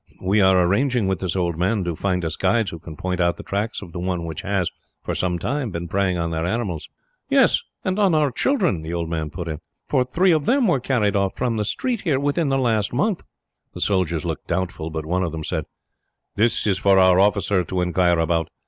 We were arranging, with this old man, to find us guides who can point out the tracks of the one which has, for some time, been preying on their animals." "Yes, and our children," the old man put in; "for three of them were carried off, from the street here, within the last month." The soldiers looked doubtful, but one of them said: "This is for our officer to inquire about.